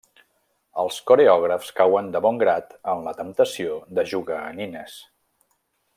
Els coreògrafs cauen de bon grat en la temptació de jugar a nines.